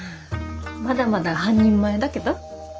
まだまだ半人前だけど。